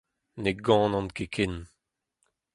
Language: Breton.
Ne ganan ket ken.